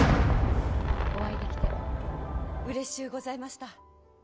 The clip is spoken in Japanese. お会いできてうれしゅうございました。